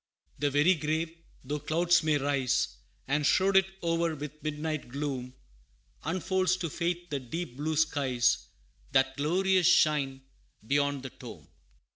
The very grave, though clouds may rise, And shroud it o'er with midnight gloom, Unfolds to faith the deep blue skies, That glorious shine beyond the tomb.